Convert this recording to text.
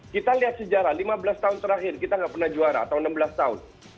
kita lihat sejarah lima belas tahun terakhir kita nggak pernah juara atau enam belas tahun